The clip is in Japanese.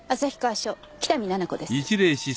署北見菜々子です。